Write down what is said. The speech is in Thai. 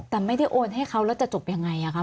แต่ไม่ได้โอนให้เขาแล้วจะจบยังไงคะ